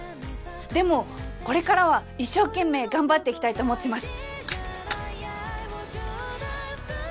でもこれからは一生懸命頑張っていきたいと思ってます！